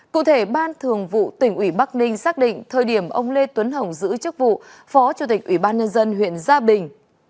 cụ thể ban thường vụ tỉnh ủy bắc ninh xác định thời điểm ông lê tuấn hồng giữ chức vụ phó chủ tịch ủy ban nhân dân huyện gia bình